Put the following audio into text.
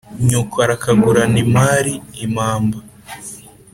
nyoko arakagurana impari: impamba